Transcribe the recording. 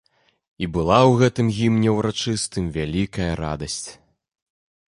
І была ў гэтым гімне ўрачыстым вялікая радасць.